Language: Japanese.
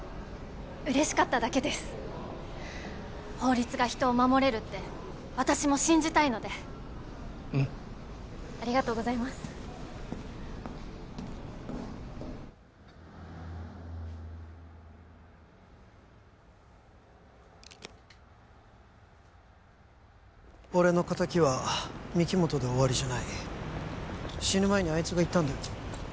嬉しかっただけです法律が人を守れるって私も信じたいのでうんありがとうございます俺の敵は御木本で終わりじゃない死ぬ前にあいつが言ったんだよ